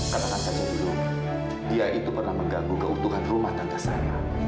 katakan saja dulu dia itu pernah mengganggu keutuhan rumah tangga saya